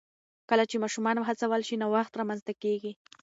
کله چې ماشومان وهڅول شي، نوښت رامنځته کېږي.